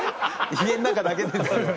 家の中だけですよ。